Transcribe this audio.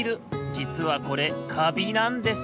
じつはこれカビなんです。